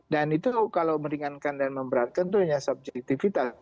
dan itu kalau meringankan dan memberatkan itu hanya subjektivitas